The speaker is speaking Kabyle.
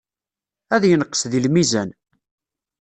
Ad yenqes deg lmizan.